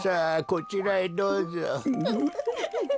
こちらへどうぞ。